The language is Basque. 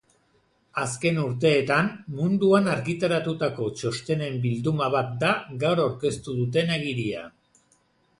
Azken urteetan munduan argitaratutako txostenen bilduma bat da gaur aurkeztu duten agiria.